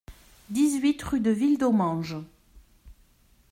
dix-huit rue de Villedommange